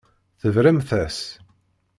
Tebramt-as.